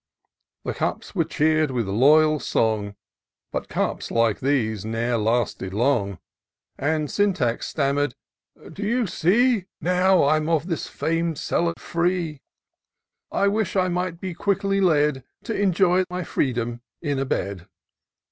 The cups were cheer'd with loyal song ; But cups like these ne'er lasted long. And Syntax stammer'd, " Do you see ? Now I'm of this fam'd cellar free, I wish I might be quickly led T' enjoy my freedom in a bed."